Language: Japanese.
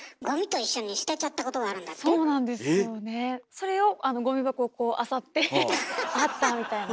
それをゴミ箱をこうあさって「あった」みたいな。